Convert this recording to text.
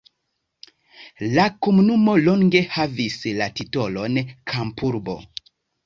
La komunumo longe havis la titolon kampurbo.